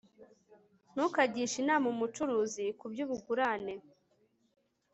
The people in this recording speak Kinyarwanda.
ntukagishe inama umucuruzi ku by'ubugurane